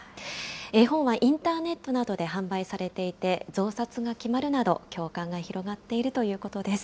絵本はインターネットなどで販売されていて、増刷が決まるなど、共感が広がっているということです。